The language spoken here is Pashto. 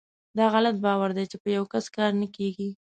داغلط باور دی چې په یوکس کار نه کیږي .